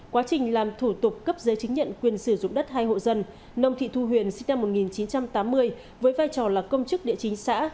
quá trình làm thủ tục cấp giấy chứng nhận quyền sử dụng đất hai hộ dân nông thị thu huyền sinh năm một nghìn chín trăm tám mươi với vai trò là công chức địa chính xã